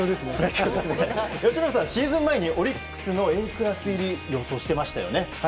由伸さん、シーズン前にオリックスのＡクラス入り予想していましたよね。